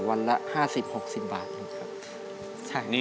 วันละ๕๐๖๐บาทเองครับ